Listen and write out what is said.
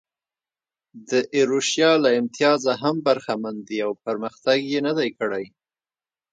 د ایروشیا له امتیازه هم برخمن دي او پرمختګ یې نه دی کړی.